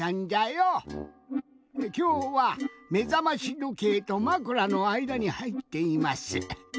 きょうはめざましどけいとまくらのあいだにはいっています。